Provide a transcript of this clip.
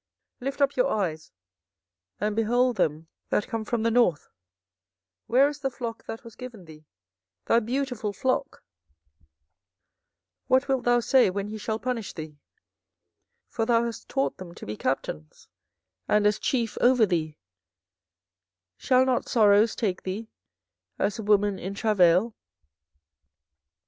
24:013:020 Lift up your eyes, and behold them that come from the north: where is the flock that was given thee, thy beautiful flock? 24:013:021 What wilt thou say when he shall punish thee? for thou hast taught them to be captains, and as chief over thee: shall not sorrows take thee, as a woman in travail?